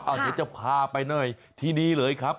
เดี๋ยวจะพาไปหน่อยที่นี่เลยครับ